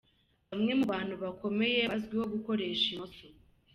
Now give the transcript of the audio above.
Bamwe mu bantu bakomeye bazwiho gukoresha imoso.